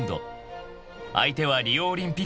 ［相手はリオオリンピック王者］